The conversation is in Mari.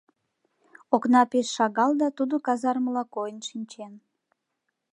Окна пеш шагал да тудо казармыла койын шинчен.